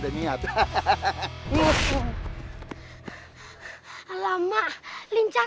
kalian semua payah